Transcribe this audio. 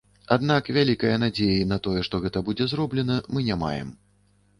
Аднак вялікае надзеі на тое, што гэта будзе зроблена, мы не маем.